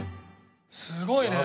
すごいね。